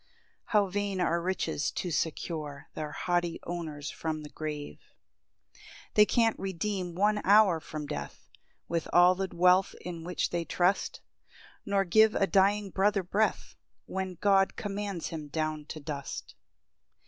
How vain are riches to secure Their haughty owners from the grave! 2 They can't redeem one hour from death, With all the wealth in which they trust; Nor give a dying brother breath, When God commands him down to dust.